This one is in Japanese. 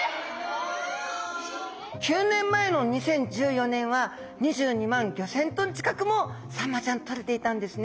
９年前の２０１４年は２２万５，０００ｔ近くもサンマちゃんとれていたんですね。